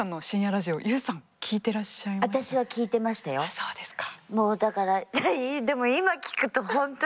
そうですか。